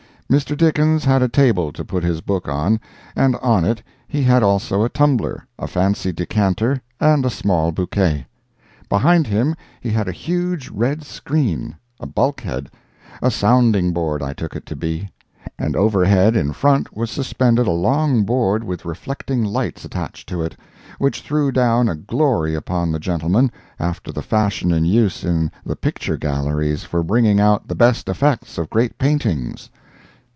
Mr. Dickens had a table to put his book on, and on it he had also a tumbler, a fancy decanter and a small bouquet. Behind him he had a huge red screen—a bulkhead—a sounding board, I took it to be—and overhead in front was suspended a long board with reflecting lights attached to it, which threw down a glory upon the gentleman, after the fashion in use in the picture galleries for bringing out the best effects of great paintings.